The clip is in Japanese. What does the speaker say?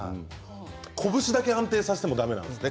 拳だけ安定させてもだめなんですね。